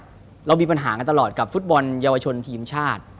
เรามีปัญหากันตลอดกับฟุตบอลเยาวชนทีมชาติ